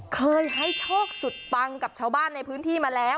เคยให้โชคสุดปังกับชาวบ้านในพื้นที่มาแล้ว